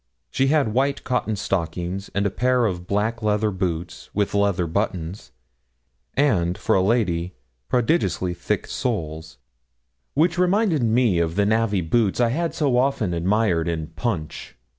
She had white cotton stockings, and a pair of black leather boots, with leather buttons, and, for a lady, prodigiously thick soles, which reminded me of the navvy boots I had so often admired in Punch.